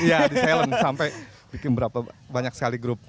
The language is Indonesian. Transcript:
iya di salent sampai bikin berapa banyak sekali grup